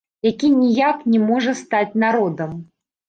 Які ніяк не можа стаць народам.